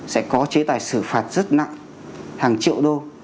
sẽ có chế tài xử phạt rất nặng hàng triệu đô